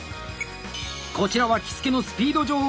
こちらは「着付のスピード女王」